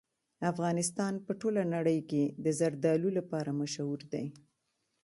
افغانستان په ټوله نړۍ کې د زردالو لپاره مشهور دی.